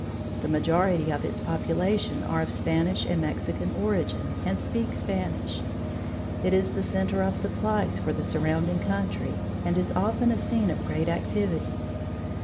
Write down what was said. The majority of its population are of Spanish and Mexican origin and speak Spanish. It is the centre of supplies for the surrounding country, and is often a scene of great activity.